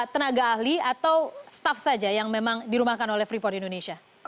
tenaga ahli atau staff saja yang memang dirumahkan oleh freeport indonesia